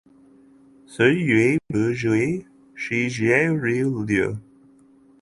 岁月不居，时节如流。